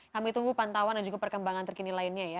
kami tunggu pantauan dan juga perkembangan terkini lainnya ya